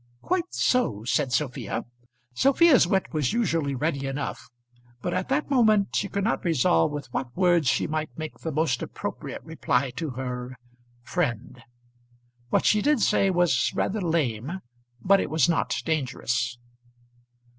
"Quite so," said Sophia. Sophia's wit was usually ready enough, but at that moment she could not resolve with what words she might make the most appropriate reply to her friend. What she did say was rather lame, but it was not dangerous.